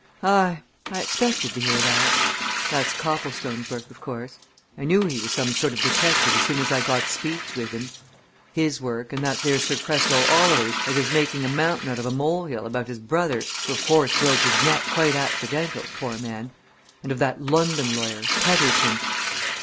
"Aye, I expected to hear that. That's Copplestone's work, of course I knew he was some sort of detective as soon as I got speech with him. His work and that there Sir Cresswell Oliver's as is making a mountain out of a molehill about his brother, who, of course, broke his neck quite accidental, poor man, and of that London lawyer Petherton.